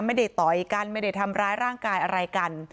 ไม่ได้ต่ออีกกันไม่ได้ทำร้ายร่างกายอะไรกัน